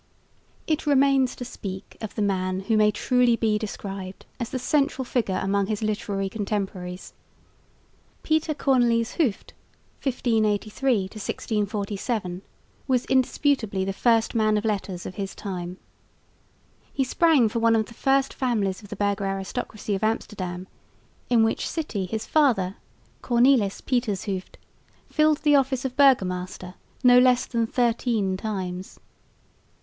It remains to speak of the man who may truly be described as the central figure among his literary contemporaries. Pieter Cornelisz Hooft (1583 1647) was indisputably the first man of letters of his time. He sprang from one of the first families of the burgher aristocracy of Amsterdam, in which city his father, Cornelis Pietersz Hooft, filled the office of burgomaster no less than thirteen times.